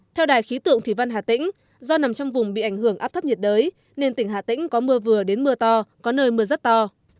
theo đài khí tượng thủy văn hà tĩnh do nằm trong vùng bị ảnh hưởng áp thấp nhiệt đới nên tỉnh hà tĩnh có mưa vừa đến mưa to có nơi mưa rất to